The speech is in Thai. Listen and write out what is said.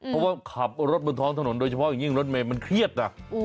เพราะว่าขับรถบนท้องถนนโดยเฉพาะอย่างยิ่งรถเมย์มันเครียดนะ